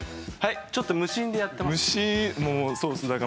ちょっと無心でやってますか？